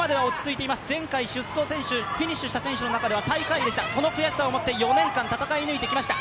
前回フィニッシュした選手の中では最下位でした、その悔しさを持って４年間戦い抜いてきました。